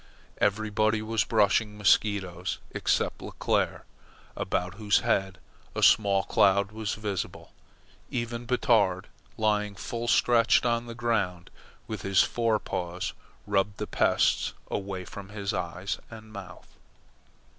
Everybody was brushing mosquitoes, except Leclere, about whose head a small cloud was visible. Even Batard, lying full stretched on the ground with his fore paws rubbed the pests away from eyes and mouth.